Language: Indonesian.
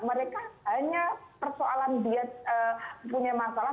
mereka hanya persoalan dia punya masalah